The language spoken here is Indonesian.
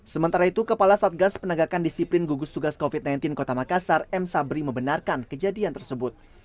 sementara itu kepala satgas penegakan disiplin gugus tugas covid sembilan belas kota makassar m sabri membenarkan kejadian tersebut